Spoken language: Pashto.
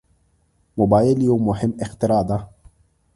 موبایل یو مهم اختراع ده.